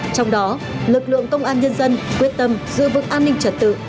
trong đó lực lượng công an nhân dân quyết tâm giữ vững an ninh trật tự